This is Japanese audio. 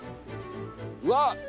うわっ。